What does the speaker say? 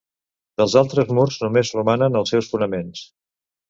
Dels altres murs només romanen els seus fonaments.